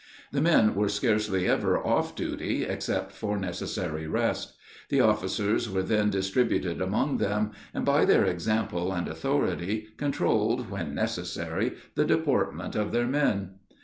The men were scarcely ever off duty, except for necessary rest. The officers were then distributed among them, and by their example and authority controlled, when necessary, the deportment of their men.